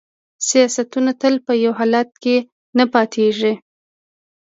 سیاستونه تل په یو حالت کې نه پاتیږي